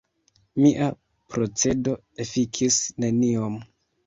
Mia procedo efikis neniom.